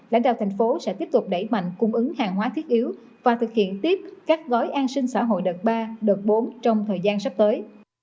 lãnh đạo thành phố sẽ tiếp tục đẩy mạnh cung ứng hàng hóa thiết yếu và thực hiện tiếp các gói an sinh xã hội đợt ba đợt bốn trong thời gian sắp tới